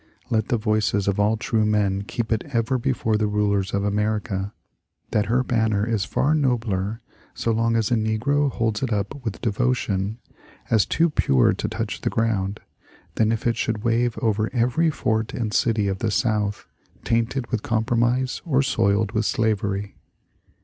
*' Let the voices of all true men keep it ever before the nilers of America, that her banner is far nobler so long as a negro holds it up with devotion, as too pure to touch the ground, than if it should wave over every fort and city of the South tainted with com promise or soiled with slavery.